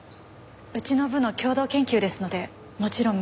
うちの部の共同研究ですのでもちろん目は通しています。